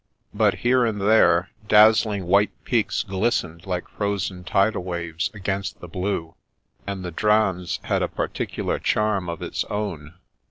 But here and there dazzling white peaks glistened like frozen tidal waves against the blue, and the Dranse had a particular charm of its own.